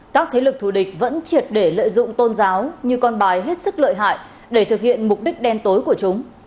các thế lực thù địch vẫn triệt để lợi dụng tôn giáo như con bài hết sức lợi hại để thực hiện mục đích đen tối của chúng